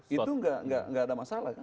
itu tidak ada masalah